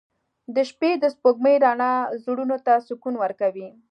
• د شپې د سپوږمۍ رڼا زړونو ته سکون ورکوي.